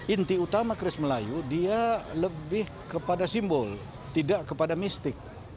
inti utama kris melayu dia lebih kepada simbol tidak kepada mistik